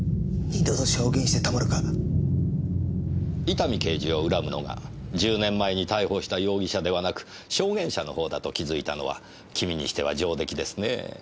伊丹刑事を恨むのが１０年前に逮捕した容疑者ではなく証言者の方だと気づいたのは君にしては上出来ですねぇ。